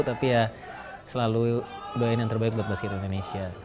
tapi ya selalu doain yang terbaik buat basket indonesia